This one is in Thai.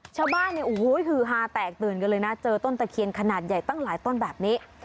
ชาวบ้านหาแตกตื่นกันเลยนะเจอต้นตะเคียนขนาดใหญ่ตั้งหลายต้นแบบนี้